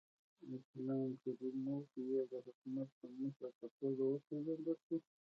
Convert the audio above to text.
اسلام کریموف یې د حکومت د مشر په توګه وپېژندل شو.